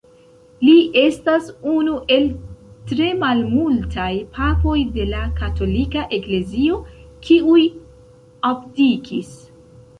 Li estas unu el tre malmultaj papoj de la Katolika Eklezio, kiuj abdikis.